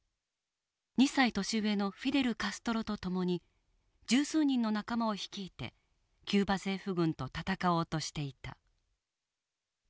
２歳年上のフィデル・カストロと共に十数人の仲間を率いてキューバ政府軍と闘おうとしていた。